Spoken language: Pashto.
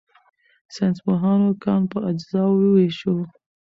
ساینسپوهانو کان په اجزاوو وویشو.